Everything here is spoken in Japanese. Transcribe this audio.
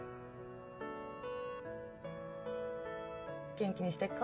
元気にしてっか？